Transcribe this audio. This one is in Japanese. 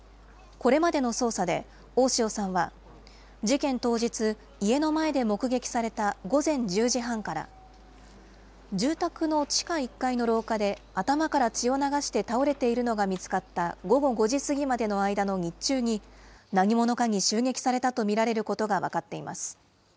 これまでの捜査で、大塩さんは事件当日、家の前で目撃された午前１０時半から、住宅の地下１階の廊下で頭から血を流して倒れているのが見つかった午後５時過ぎまでの間の日中に、何者かに襲撃されたと見られることが分かっています。